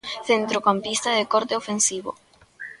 Centrocampista de corte ofensivo.